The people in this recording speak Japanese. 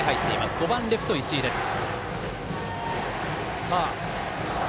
５番レフト、石井です。